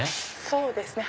そうですね。